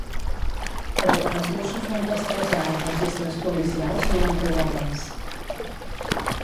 Però quan els Mossos van rastrejar els registres policials no van trobar res.